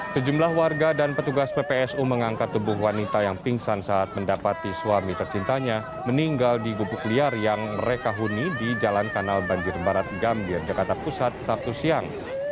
sejumlah warga dan petugas ppsu mengangkat tubuh wanita yang pingsan saat mendapati suami tercintanya meninggal di gubuk liar yang mereka huni di jalan kanal banjir barat gambir jakarta pusat sabtu siang